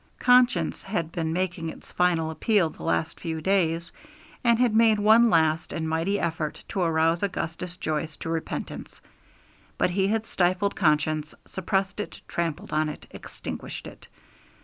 Conscience had been making its final appeal the last few days, and had made one last and mighty effort to arouse Augustus Joyce to repentance. But he had stifled conscience, suppressed it, trampled on it, extinguished it.